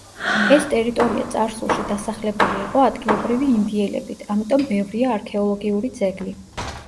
ეს ტერიტორია წარსულში დასახლებული იყო ადგილობრივი ინდიელებით, ამიტომ ბევრია არქეოლოგიური ძეგლი.